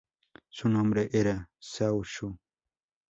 Su nombre era Zhao Xu.